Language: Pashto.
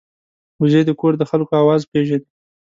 وزې د کور د خلکو آواز پېژني